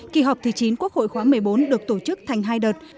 kỳ họp thứ chín quốc hội khóa một mươi bốn được tổ chức thành hai đợt